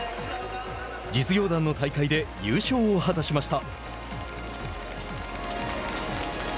実業団の大会で優勝を果たしました。